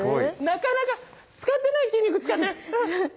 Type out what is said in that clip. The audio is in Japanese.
なかなか使ってない筋肉使ってる。